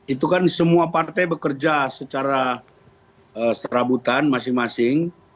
itu kan semua partai bekerja secara serabutan masing masing